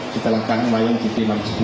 kita lakukan melayang ct enam puluh